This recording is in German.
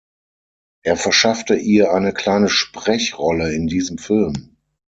Er verschaffte ihr eine kleine Sprechrolle in diesem Film.